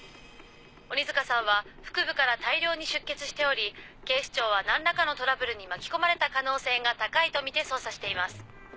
鬼塚さんは腹部から大量に出血しており警視庁はなんらかのトラブルに巻き込まれた可能性が高いとみて捜査しています。